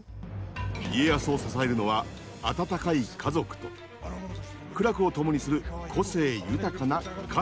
家康を支えるのは温かい家族と苦楽を共にする個性豊かな家臣たち。